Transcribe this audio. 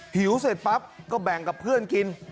หิวเสร็จปั๊บก็แบ่งกับเพื่อนกิน